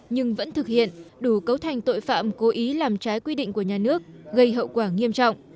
nhưng vẫn thực hiện đủ cấu thành tội phạm cố ý làm trái quy định của nhà nước gây hậu quả nghiêm trọng